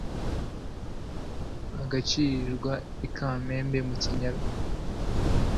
agacirirwa i kamembe mu kinyaga